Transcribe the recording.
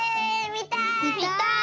みたい！